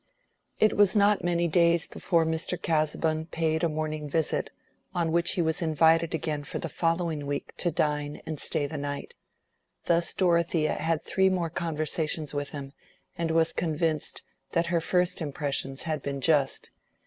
It was not many days before Mr. Casaubon paid a morning visit, on which he was invited again for the following week to dine and stay the night. Thus Dorothea had three more conversations with him, and was convinced that her first impressions had been just.